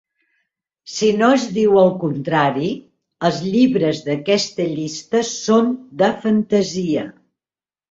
Si no es diu el contrari, els llibres d'aquesta llista són de fantasia.